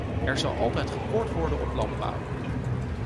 Er zal altijd gekort worden op landbouw.